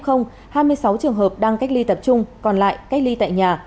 hai mươi sáu trường hợp đang cách ly tập trung còn lại cách ly tại nhà